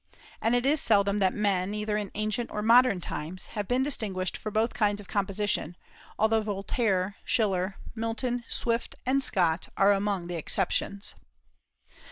And it is seldom that men, either in ancient or modern times, have been distinguished for both kinds of composition, although Voltaire, Schiller, Milton, Swift, and Scott are among the exceptions.